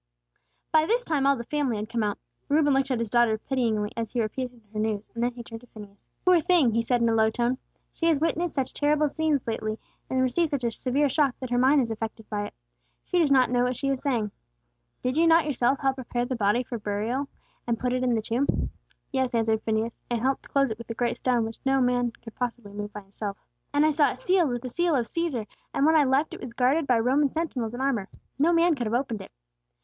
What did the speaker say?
By this time all the family had come out. Reuben looked at his daughter pityingly, as she repeated her news; then he turned to Phineas. "Poor thing!" he said, in a low tone. "She has witnessed such terrible scenes lately, and received such a severe shock, that her mind is affected by it. She does not know what she is saying. Did not you yourself help prepare the body for burial, and put it in the tomb?" "Yes," answered Phineas, "and helped close it with a great stone, which no one man could possibly move by himself. And I saw it sealed with the seal of Cæsar; and when I left it was guarded by Roman sentinels in armor. No man could have opened it."